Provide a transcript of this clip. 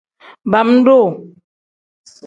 Bam-duu.